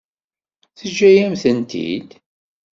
Teǧǧa-yam-tent-id?